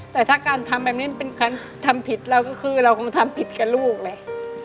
แต่ถ้าการทำแบบนี้เป็นการทำผิดเราก็คือเราคงทำผิดกับลูกแหละ